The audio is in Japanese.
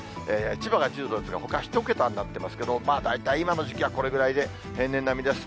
千葉が１０度ですけど、ほか１桁になってますけど、大体今の時期はこれぐらいで、平年並みです。